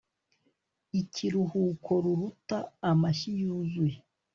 ikiruhuko ruruta amashyi yuzuye